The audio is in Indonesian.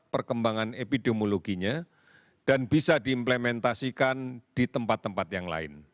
perkembangan epidemiologinya dan bisa diimplementasikan di tempat tempat yang lain